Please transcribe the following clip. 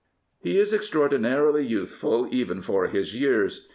He is extraordinarily youthful even for his years.